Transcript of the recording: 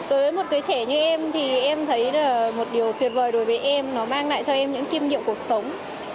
đối với một cái trẻ như em thì em thấy là một điều tuyệt vời đối với em nó mang lại cho em những kim nghiệm cuộc sống